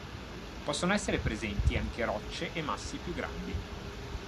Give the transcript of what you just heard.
Possono essere presenti anche rocce e massi più grandi.